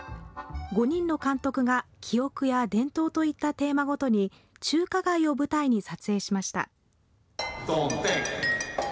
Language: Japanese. ５人の監督が記憶や伝統といったテーマごとに中華街を舞台に撮影しました。